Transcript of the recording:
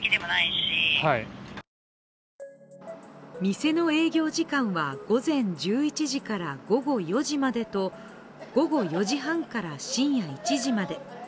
店の営業時間は午前１１時から午後４時までと午後４時半から深夜１時まで。